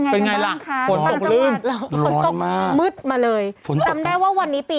เต็มมาเลยวันนี้